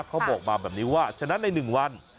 เขาบอกมาแบบนี้ว่าฉะนั้นใน๑วัน